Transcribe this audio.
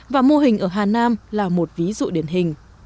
và mô hình ở hà nam là một ví dụ điển hình